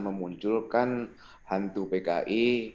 memunculkan hantu pki